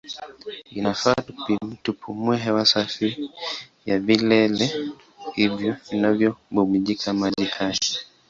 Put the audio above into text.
Inafaa tupumue hewa safi ya vilele hivyo vinavyobubujika maji hai.